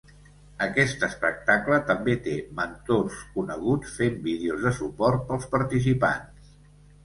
Aquest espectacle també té mentors coneguts fent vídeos de suport pels participants.